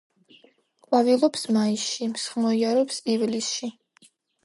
ყვავილობს მაისში, მსხმოიარობს ივლისში.